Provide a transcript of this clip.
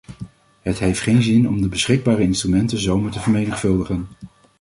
Het heeft geen zin om de beschikbare instrumenten zomaar te vermenigvuldigen.